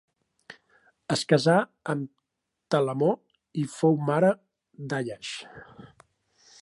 Es casà amb Telamó i fou mare d'Àiax.